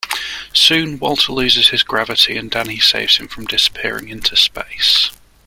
Soon, Walter loses his gravity and Danny saves him from disappearing into space.